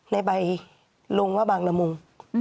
ในใบลงว่าบางละมุง